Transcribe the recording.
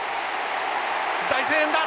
大声援だ！